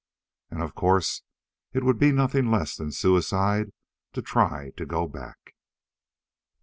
And of course it would be nothing less than suicide to try to go back.